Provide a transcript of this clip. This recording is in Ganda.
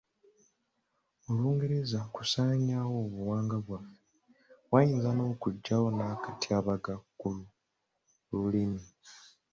Olungereza kusaanyaawo obuwangwa bwaffe wayinza n'okujjawo n'akatyabaga k'olulimi.